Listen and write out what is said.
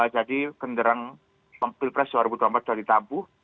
jadi genderang pilpres dua ribu dua puluh empat sudah ditabuh